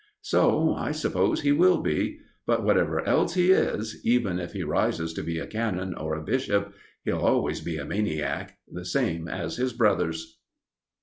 So I suppose he will be. But whatever else he is even if he rises to be a Canon or a Bishop he'll always be a maniac, the same as his brothers.